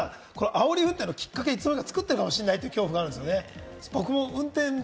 自分があおり運転のきっかけを作ってるかもしれないって恐怖があるんですよね。